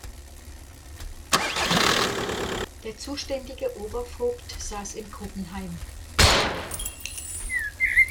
Der zuständige Obervogt saß in Kuppenheim.